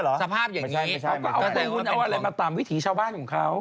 เอาอะไรมาตามวิถีชาวบ้านของเขา